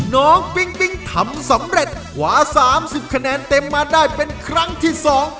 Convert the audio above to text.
ปิ๊งปิ๊งทำสำเร็จขวาสามสิบคะแนนเต็มมาได้เป็นครั้งที่สอง